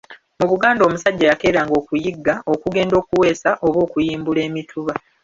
Mu Buganda omusajja yakeeranga okuyigga, okugenda okuweesa oba okuyimbula emituba.